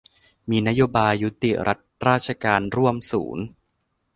มีนโยบายยุติรัฐราชการร่วมศูนย์